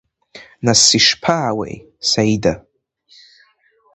Нас ишԥаауеи, Саида?